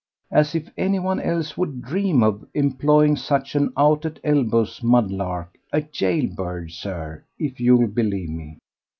As if anyone else would dream of employing such an out at elbows mudlark—a jail bird, Sir, if you'll believe me.